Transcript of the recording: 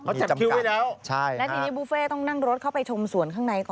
เขาจัดคิวไว้แล้วใช่แล้วทีนี้บุฟเฟ่ต้องนั่งรถเข้าไปชมสวนข้างในก่อน